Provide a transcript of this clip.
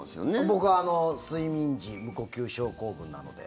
僕は睡眠時無呼吸症候群なので。